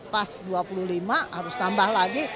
pas dua puluh lima harus tambah lagi